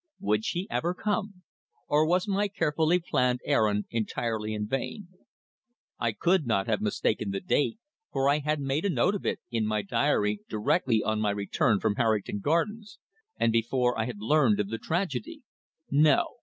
Would she ever come? Or, was my carefully planned errand entirely in vain? I could not have mistaken the date, for I had made a note of it in my diary directly on my return from Harrington Gardens, and before I had learned of the tragedy. No.